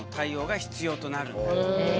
へえ。